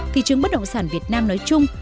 thị trường bất động sản việt nam nói chung